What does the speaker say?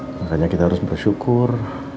makanya kita harus bersyukur